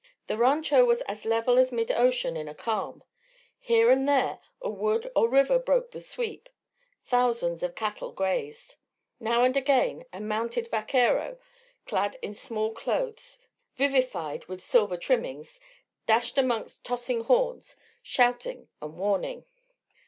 The rancho was as level as mid ocean in a calm; here and there a wood or river broke the sweep; thousands of cattle grazed. Now and again a mounted vaquero, clad in small clothes vivified with silver trimmings, dashed amongst tossing horns, shouting and warning.